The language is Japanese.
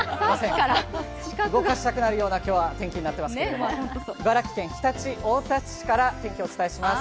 今日は動かしたくなるような天気になってますけれども、茨城県常陸太田市から天気をお伝えします。